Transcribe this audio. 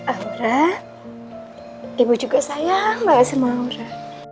aura ibu juga sayang banget sama aura